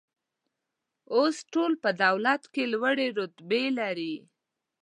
اوس ټول په دولت کې لوړې رتبې لري